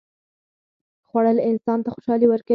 خوړل انسان ته خوشالي ورکوي